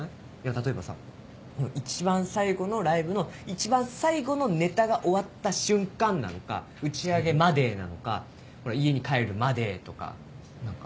例えばさ一番最後のライブの一番最後のネタが終わった瞬間なのか打ち上げまでなのか家に帰るまでとか何か。